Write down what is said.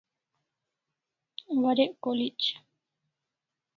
Warek college